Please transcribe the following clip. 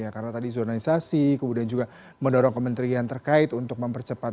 karena tadi zonalisasi kemudian juga mendorong kementerian terkait untuk mempercepat